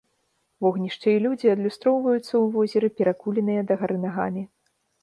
Вогнішча і людзі адлюстроўваюцца ў возеры перакуленыя дагары нагамі.